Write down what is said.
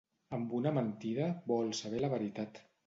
Amb una mentida vol saber la veritat.